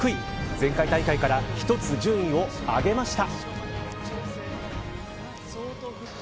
前回大会から１つ順位を上げました。